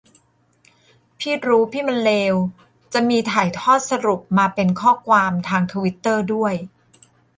พี่รู้พี่มันเลว จะมีถ่ายทอดสรุปมาเป็นข้อความทางทวิตเตอร์ด้วย